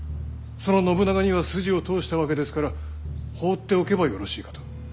その信長には筋を通したわけですから放っておけばよろしいかと。